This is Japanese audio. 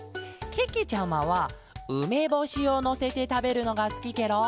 けけちゃまはうめぼしをのせてたべるのがすきケロ。